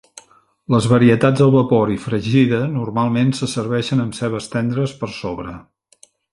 Les varietats al vapor i fregida normalment se serveixen amb cebes tendres per sobre.